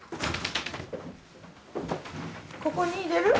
ここに入れる？